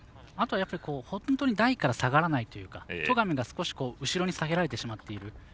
あとは本当に台から下がらないというか戸上が少し後ろに下げられてしまっている。